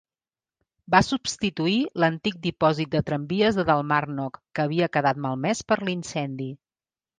Va substituir l'antic dipòsit de tramvies de Dalmarnock que havia quedat malmès per l'incendi.